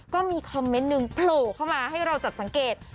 ก็มีคอมเมนต์หนึ่งโผล่เข้ามาให้เราจับสังเกต